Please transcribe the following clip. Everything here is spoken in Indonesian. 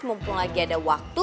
mumpung lagi ada waktu